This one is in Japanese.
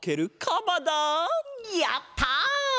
やった！